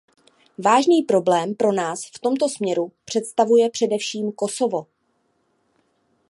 Vážný problém pro nás v tomto směru představuje především Kosovo.